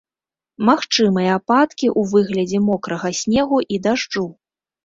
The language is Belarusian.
Магчымыя ападкі ў выглядзе мокрага снегу і дажджу.